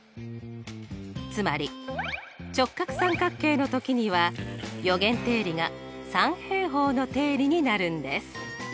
つまり直角三角形の時には余弦定理が三平方の定理になるんです。